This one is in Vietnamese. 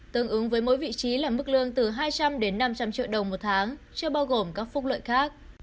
tương ứng với mỗi vị trí là mức lương từ hai trăm linh đến năm trăm linh triệu đồng một tháng chưa bao gồm các phúc lợi khác